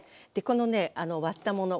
このね割ったもの